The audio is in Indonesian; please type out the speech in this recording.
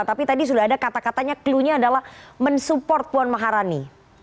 tapi tadi sudah ada kata katanya clue nya adalah mensupport puan maharani